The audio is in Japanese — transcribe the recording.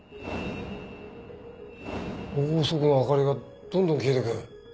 ロウソクの明かりがどんどん消えてく。